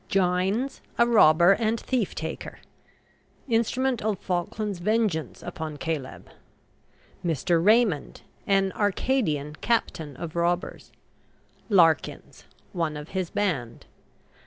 GINES, a robber and thief taker, instrument of Falkland's vengeance upon Caleb. MR. RAYMOND, an "Arcadian" captain of robbers. LARKINS, one of his band.